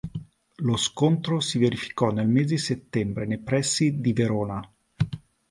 Lo scontro si verificò nel mese di settembre nei pressi di Verona.